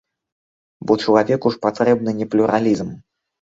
Бо чалавеку ж патрэбны не плюралізм.